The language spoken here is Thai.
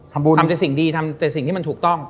ทำแต่สิ่งดีทำแต่สิ่งที่มันถูกต้อง